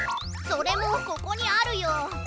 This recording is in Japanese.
それもここにあるよ！